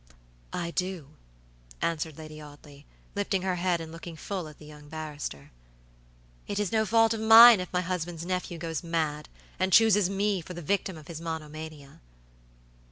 "I do," answered Lady Audley, lifting her head and looking full at the young barrister. "It is no fault of mine if my husband's nephew goes mad, and chooses me for the victim of his monomania."